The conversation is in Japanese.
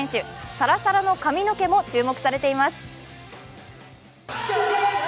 サラサラの髪の毛も注目されています。